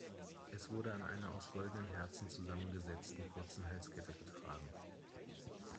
Es wurde an einer aus goldenen Herzen zusammengesetzten kurzen Halskette getragen.